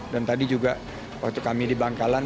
dan tadi juga waktu kami di bangkalan